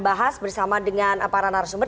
bahas bersama dengan aparan arsumber